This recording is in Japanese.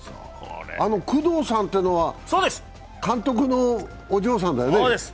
工藤さんってのは監督のお嬢さんだよね？